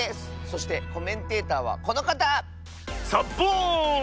そしてコメンテーターはこのかた。サッボーン！